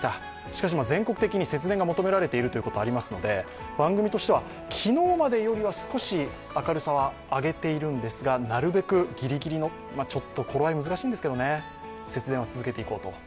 しかし全国的に節電が求められていることがありますので番組としては昨日までよりは少し明るさは上げているんですが、なるべくギリギリの、ちょっと頃合いは難しいんですけど節電は続けていこうと。